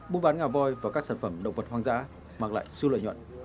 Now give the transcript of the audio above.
buôn bán ngà voi và các sản phẩm động vật hoang dã mang lại siêu lợi nhuận